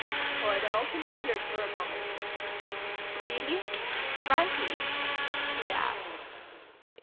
Coronel considered for a moment. "Really frankly?" he asked.